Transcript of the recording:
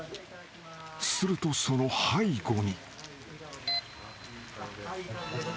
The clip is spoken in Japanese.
［するとその背後に］